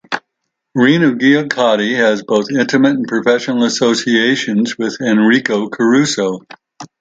Rina Giachetti had both intimate and professional associations with Enrico Caruso.